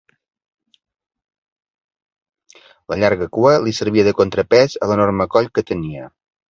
La llarga cua li servia de contrapès a l'enorme coll que tenia.